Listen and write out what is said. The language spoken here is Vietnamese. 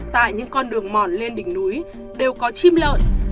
tại những con đường mòn lên đỉnh núi đều có chim lợn